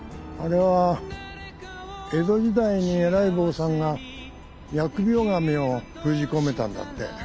あれは江戸時代に偉い坊さんが疫病神を封じ込めたんだって。